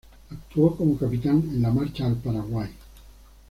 Actuó como capitán en la marcha al Paraguay.